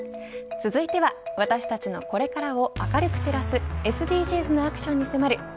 続いては私たちのこれからを明るく照らすＳＤＧｓなアクションに迫る＃